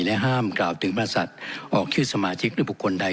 และห้ามกล่าวถึงบริษัทออกชื่อสมาชิกหรือบุคคลใด